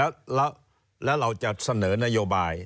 แล้วเราจะเสนอนโยบาย